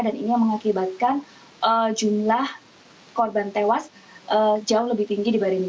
dan ini mengakibatkan jumlah korban tewas jauh lebih tinggi dibandingkan